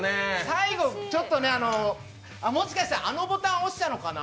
最後ちょっとね、もしかして、あのボタン押したのかな？